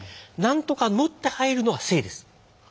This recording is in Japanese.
何とか「の」って入るのが姓です。